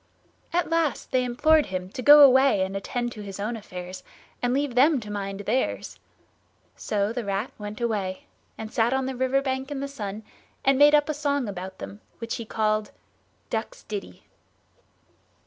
At last they implored him to go away and attend to his own affairs and leave them to mind theirs. So the Rat went away, and sat on the river bank in the sun, and made up a song about them, which he called "DUCKS' DITTY."